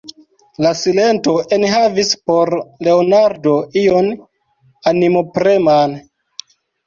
La silento enhavis por Leonardo ion animopreman.